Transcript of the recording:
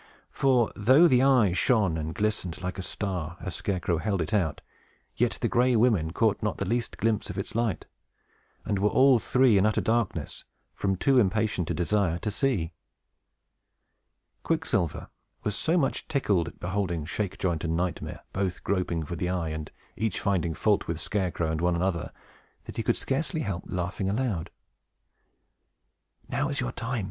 For, though the eye shone and glistened like a star, as Scarecrow held it out, yet the Gray Women caught not the least glimpse of its light, and were all three in utter darkness, from too impatient a desire to see. Quicksilver was so much tickled at beholding Shakejoint and Nightmare both groping for the eye, and each finding fault with Scarecrow and one another, that he could scarcely help laughing aloud. "Now is your time!"